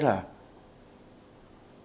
bài hát nổi tiếng liền